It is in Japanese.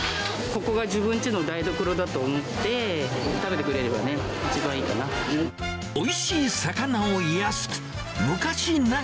ここが自分ちの台所だと思って、食べてくれればね、一番いいかな。